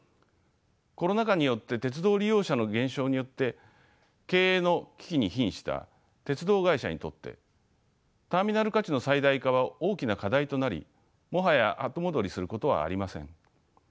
コロナ禍によって鉄道利用者の減少によって経営の危機にひんした鉄道会社にとってターミナル価値の最大化は大きな課題となりもはや後戻りすることはありません。